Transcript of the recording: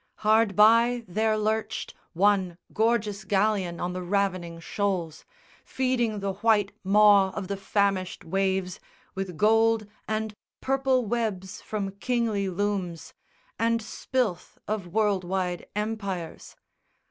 Hard by there lurched One gorgeous galleon on the ravening shoals, Feeding the white maw of the famished waves With gold and purple webs from kingly looms And spilth of world wide empires.